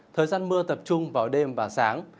thời gian mưa tập trung vào đêm và sáng